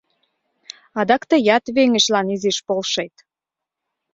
Адак тыят веҥычлан изиш полшет.